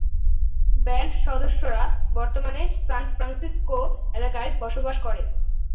Band সদস্যরা বর্তমানে San Francisco এলাকায় বসবাস করে।